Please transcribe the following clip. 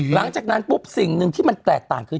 หลังจากนั้นปุ๊บสิ่งหนึ่งที่มันแตกต่างคือ